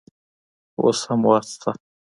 اوس هم وخت شته.